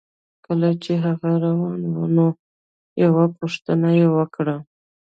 کله چې هغه روان و نو یوه پوښتنه یې وکړه